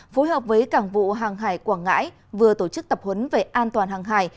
phối hợp với cảng vụ hàng hải quảng ngãi vừa tổ chức tập huấn về an toàn hàng hải